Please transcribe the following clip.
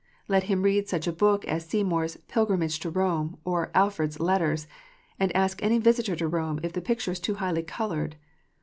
Let him read such a book as Seymour s Pilgrimage to Home, or Alford s Letters, and ask any visitor to Kome if the picture is too highly coloured.